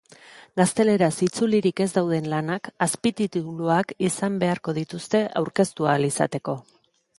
Gazteleraz itzulirik ez dauden lanak azpitituluak izan beharko dituzte aurkeztu ahal izateko.